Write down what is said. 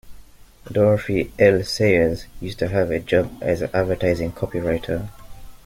Dorothy L Sayers used to have a job as an advertising copywriter